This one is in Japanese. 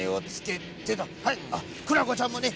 クラコちゃんもね